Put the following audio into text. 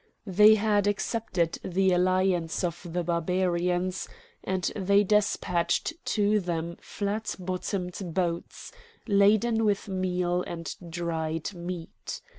They had accepted the alliance of the Barbarians, and they despatched to them flat bottomed boats laden with meal and dried meat.